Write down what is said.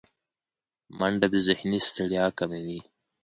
منډه د ذهني ستړیا کموي